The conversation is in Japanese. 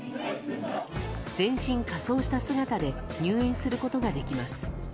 全身仮装した姿で入園することができます。